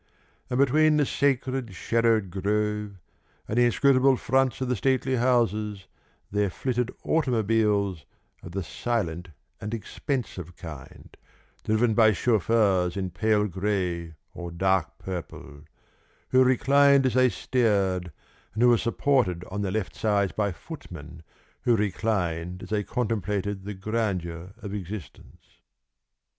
And between the sacred shadowed grove and the inscrutable fronts of the stately houses, there flitted automobiles of the silent and expensive kind, driven by chauffeurs in pale grey or dark purple, who reclined as they steered, and who were supported on their left sides by footmen who reclined as they contemplated the grandeur of existence.